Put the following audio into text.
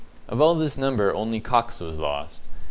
Of all this number only Cox was lost.